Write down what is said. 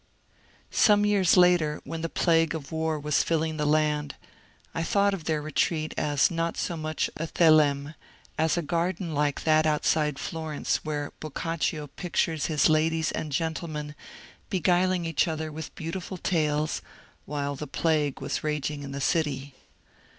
Some years later when the plague of War was filling the land, I thought of their retreat as not so much aXh^l^me as a garden like that outside Florence where Boccaccio pictures his ladies and gentlemen beguiling each other with beautiful tales while the Plague was raging in the city.